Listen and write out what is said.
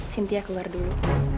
sintia keluar dulu